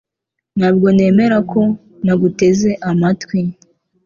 Ntabwo nemera ko naguteze amatwi